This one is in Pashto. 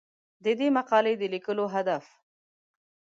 د دې مقالې د لیکلو هدف